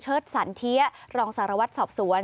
สันเทียรองสารวัตรสอบสวน